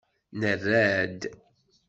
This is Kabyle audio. Nerra-d.